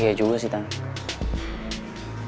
iya juga sih tante